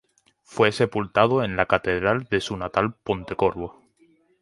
Fue sepultado en la catedral de su natal Pontecorvo.